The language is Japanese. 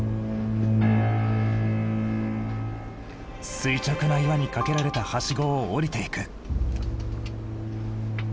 垂直な岩にかけられたハシゴを下りていく。